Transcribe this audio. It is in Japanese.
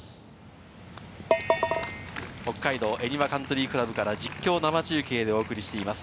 北海道恵庭カントリー倶楽部から実況生中継でお送りしています。